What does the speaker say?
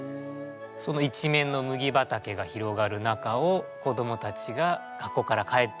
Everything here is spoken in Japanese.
その一面の麦畑が広がる中を子どもたちが学校から帰っていく。